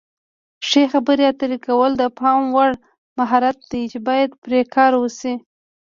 ښې خبرې اترې کول د پام وړ مهارت دی چې باید پرې کار وشي.